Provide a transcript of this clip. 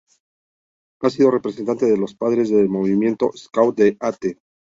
Ha sido representante de los padres del Movimiento Scout de Ate.